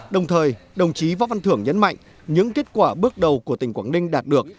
đồng thời đồng chí võ văn thưởng nhấn mạnh những kết quả bước đầu của tỉnh quảng ninh đạt được